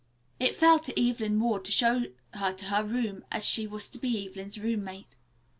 It fell to Evelyn Ward to show her to her room, as she was to be Evelyn's roommate.